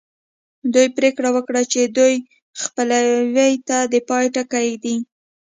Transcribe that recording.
دوی پرېکړه وکړه چې دې خپلوۍ ته د پای ټکی ږدي